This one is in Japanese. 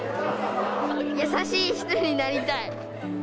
優しい人になりたい。